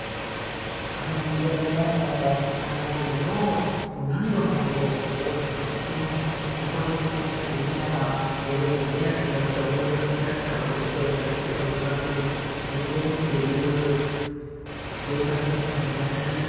皆さんは災害ごみを何度も往復してそこに向けてみんなが泥にね埋まった思い出の品々を外に出してそのトラックに積み込むっていう状態でしたね。